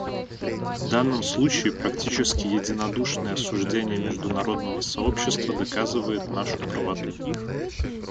В данном случае практически единодушное осуждение международного сообщества доказывает нашу правоту.